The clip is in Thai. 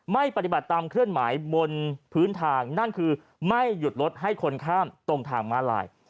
ไม่ปฏิบัติตามเคลื่อนไหวบนพื้นทางนั่นคือไม่หยุดรถให้คนข้ามตรงทางม้าลาย